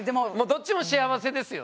どっちも幸せですよ